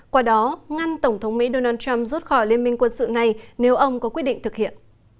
qua đó ngăn tổng thống mỹ donald trump rút khỏi liên minh quân sự này nếu ông có quyết định thực hiện